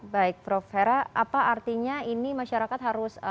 baik prof hera apa artinya ini masyarakat harus